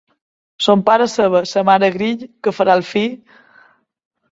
Son pare ceba, sa mare grill, què farà el fill?